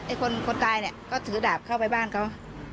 คนคนตายเนี่ยก็ถือดาบเข้าไปบ้านเขา